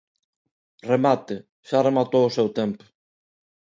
Remate, xa rematou o seu tempo.